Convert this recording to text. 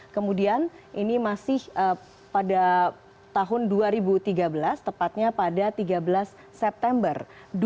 kemudian ini masih pada tahun dua ribu tiga belas tepatnya pada tiga belas september dua ribu delapan belas